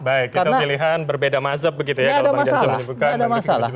baik kita pilihan berbeda mazab begitu ya kalau bang jansum menyebutkan